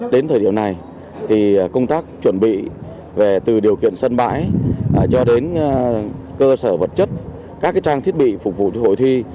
đến thời điểm này công tác chuẩn bị về từ điều kiện sân bãi cho đến cơ sở vật chất các trang thiết bị phục vụ cho hội thi